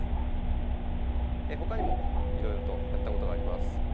ほかにもいろいろとやったことがあります。